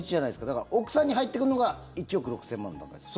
だから奥さんに入ってくるのが１億６０００万なんですか？